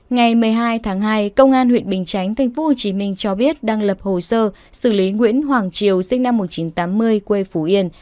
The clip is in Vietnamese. ngày một mươi hai tháng hai công an huyện bình chánh tp hcm cho biết đang lập hồ sơ xử lý nguyễn hoàng triều sinh năm một nghìn chín trăm tám mươi quê phú yên